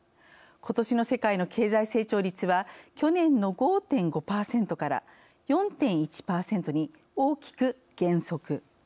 ことしの世界の経済成長率は去年の５．５％から４．１％に大きく減速。